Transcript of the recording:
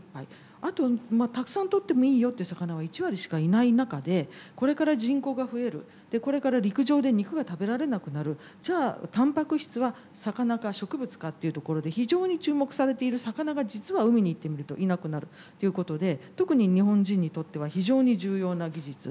あとまあたくさん取ってもいいよっていう魚は１割しかいない中でこれから人口が増えるこれから陸上で肉が食べられなくなるじゃあタンパク質は魚か植物かっていうところで非常に注目されている魚が実は海に行ってみるといなくなるっていうことで特に日本人にとっては非常に重要な技術。